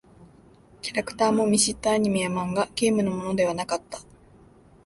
キャラクターも見知ったアニメや漫画、ゲームのものではなかった。